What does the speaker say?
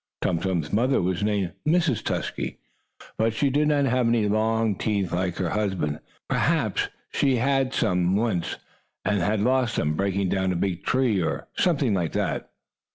Tum Tum's mother was named Mrs. Tusky, but she did not have any long teeth like her husband. Perhaps she had had some once, and had lost them, breaking down a big tree, or something like that.